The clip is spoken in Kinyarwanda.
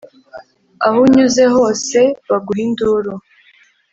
Aho unyuze hose baguha induru,